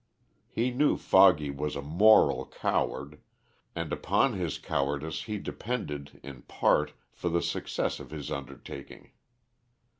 He knew Foggy was a moral coward, and upon his cowardice he depended, in part, for the success of his undertaking.